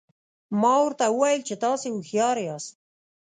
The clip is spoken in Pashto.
ما ورته وویل چې تاسي هوښیار یاست.